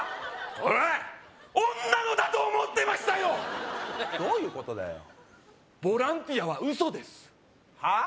これ女のだと思ってましたよどういうことだよボランティアは嘘ですはっ？